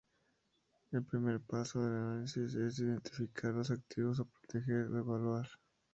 El primer paso del análisis es identificar los activos a proteger o evaluar.